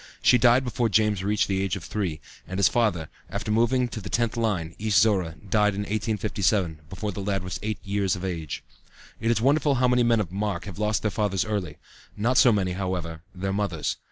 She died before James reached the age of three, and his father, after moving to the 10th line, East Zorra, died in 1857, before the lad was eight years of age. It is wonderful how many men of mark have lost their fathers early; not so many, however, their mothers.